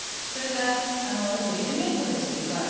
それからよくヘルメットですとか